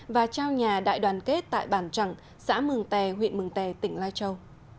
và trao nhà đại đoàn kết tại bản chẳng xã mường tè huyện mường tè tỉnh lai châu